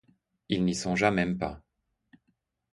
Il n'y songea même pas.